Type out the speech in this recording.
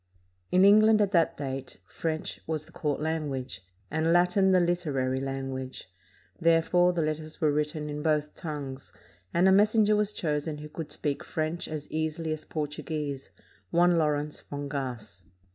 In England, at that date French was the court language, and Latin the literary language; therefore, the letters were written in both tongues, and a messenger was chosen who could speak French as easily as Portuguese, one Lawrence Fongasse.